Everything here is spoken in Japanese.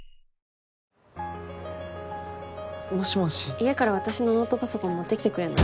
家から私のノートパソコン持ってきてくれない？